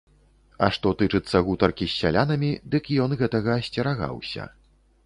А што тычыцца гутаркі з сялянамі, дык ён гэтага асцерагаўся.